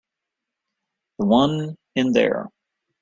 The one in there.